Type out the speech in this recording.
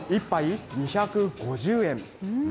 １杯２５０円。